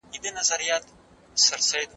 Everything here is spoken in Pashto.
دی غواړي چې پر مجسمه لاړې تو کړي.